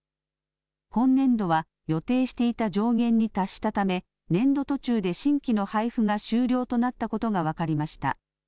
今年度は予定していた上限に達したため年度途中で新規の配付が終了となったことが分かりました。